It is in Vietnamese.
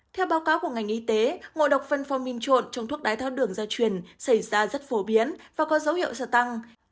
theo báo cáo của ngành y tế ngộ độc fenformin trộn trong thuốc đai thác đường gia truyền xảy ra rất phổ biến và có dấu hiệu gia tăng